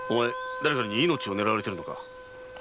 誰かに命を狙われているのか？